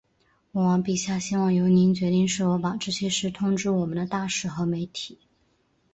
国王陛下希望由您决定是否把这些事通知我们的大使和媒体。